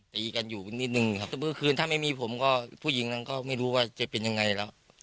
ตีกันอยู่นิดนึงครับแต่เมื่อคืนถ้าไม่มีผมก็ผู้หญิงนั้นก็ไม่รู้ว่าจะเป็นยังไงแล้ว